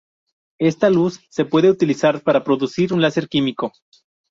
Esta luz se puede utilizar para producir un láser químico.